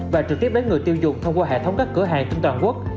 và trực tiếp đến người tiêu dùng thông qua hệ thống các cửa hàng trên toàn quốc